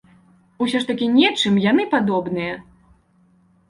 Усё ж такі нечым яны падобныя!